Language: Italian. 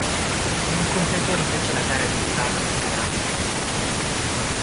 Non completò invece la gara di slalom gigante.